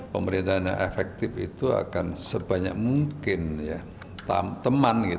pemerintah yang efektif itu akan sebanyak mungkin teman